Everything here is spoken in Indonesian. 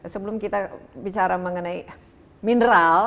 sebelum kita bicara mengenai mineral